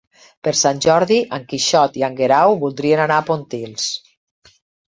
Per Sant Jordi en Quixot i en Guerau voldrien anar a Pontils.